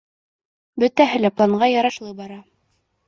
— Бөтәһе лә планға ярашлы бара.